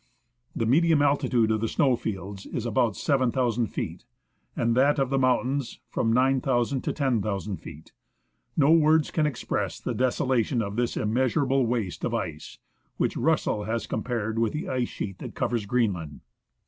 The medium alti tude of the snow fields is about 7,000 feet, that of the mountains from 9,000 to 10,000 feet. No words can express the desolation of this immeasurable waste of ice, which Russell has compared with the ice sheet that covers Greenland.